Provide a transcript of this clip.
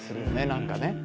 何かね。